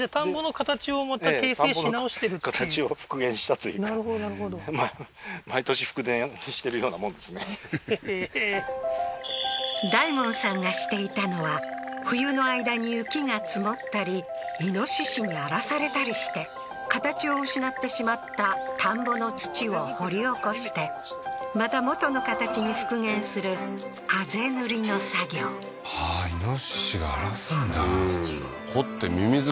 はいはいじゃあなるほどなるほどへえー大門さんがしていたのは冬の間に雪が積もったりイノシシに荒らされたりして形を失ってしまった田んぼの土を掘り起こしてまた元の形に復元する畦塗りの作業はあーイノシシが荒らすんだ掘ってミミズ